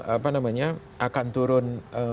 apa namanya akan turun